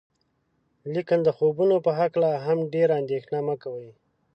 لیکن د خوبونو په هکله هم ډیره اندیښنه مه کوئ.